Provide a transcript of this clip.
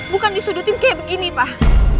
bukan disudutin kayak begini pak